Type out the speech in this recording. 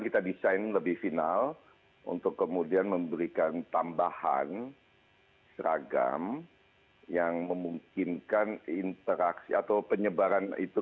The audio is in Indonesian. kita desain lebih final untuk kemudian memberikan tambahan seragam yang memungkinkan interaksi atau penyebaran itu